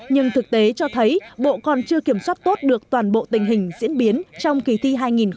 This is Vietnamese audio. nhưng thực tế cho thấy bộ còn chưa kiểm soát tốt được toàn bộ tình hình diễn biến trong kỳ thi hai nghìn một mươi chín